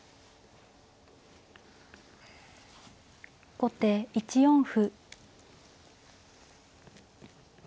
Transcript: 後手１四歩。